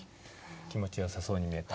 気持ちよさそうに見えた？